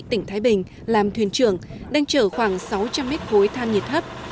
tỉnh thái bình làm thuyền trưởng đang chở khoảng sáu trăm linh mét khối than nhiệt thấp